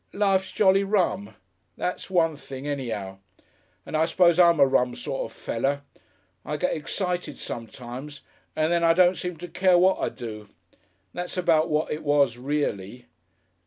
Life's jolly rum; that's one thing any'ow. And I suppose I'm a rum sort of feller. I get excited sometimes, and then I don't seem to care what I do. That's about what it was reely.